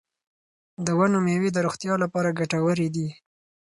د ونو میوې د روغتیا لپاره ګټورې دي.